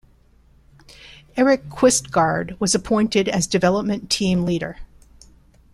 Erik Quistgaard was appointed as development team leader.